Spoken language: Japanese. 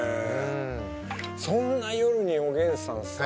そんな夜におげんさんさ